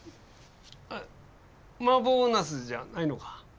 あっマーボーなすじゃないのか？